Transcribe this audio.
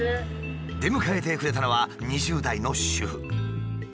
出迎えてくれたのは２０代の主婦。